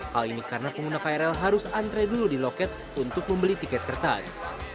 hal ini karena pengguna krl harus antre dulu di loket untuk membeli tiket kertas